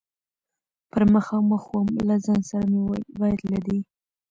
پر مخامخ ووم، له ځان سره مې وویل: باید له دې.